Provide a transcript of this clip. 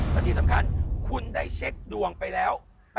และที่สำคัญคุณได้เช็คดวงไปแล้ว